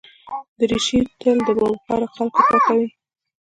دریشي تل د باوقاره خلکو خوښه وي.